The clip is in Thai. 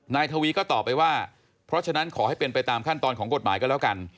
นายทวีก็ตอบไปว่าเพราะฉะนั้นขอให้เป็นไปตามขั้นตอนของกฎหมายก็แล้วกัน